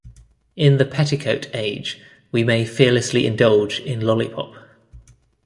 In the petticoat age we may fearlessly indulge in lollipop.